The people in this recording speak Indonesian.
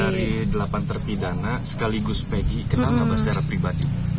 apa secara keseluruhan dari delapan tertidana sekaligus pegi kenal nggak secara pribadi